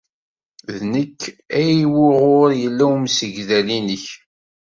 D nekk ay wuɣur yella umsegdal-nnek.